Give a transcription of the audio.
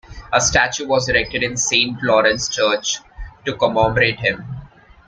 A statue was erected in Saint Lawrence's Church to commemorate him.